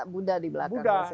buddha di belakang